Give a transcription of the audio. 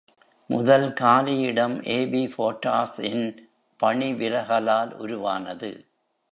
முதல் காலியிடம் Abe Fortas இன் பணிவிலகலால் உருவானது.